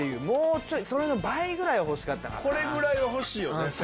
もうちょい、それの倍ぐらい欲しこれぐらいは欲しいよね。